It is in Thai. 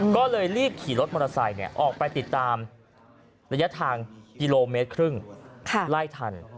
ก็เลยรีบขี่รถมอเตอร์ไซค์ออกไปติดตามระยะทางกิโลเมตรครึ่งไล่ทัน